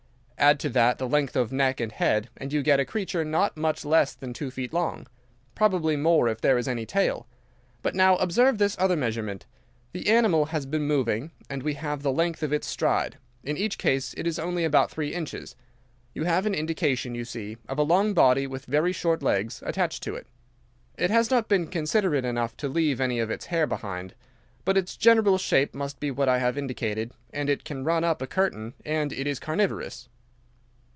Add to that the length of neck and head, and you get a creature not much less than two feet long—probably more if there is any tail. But now observe this other measurement. The animal has been moving, and we have the length of its stride. In each case it is only about three inches. You have an indication, you see, of a long body with very short legs attached to it. It has not been considerate enough to leave any of its hair behind it. But its general shape must be what I have indicated, and it can run up a curtain, and it is carnivorous."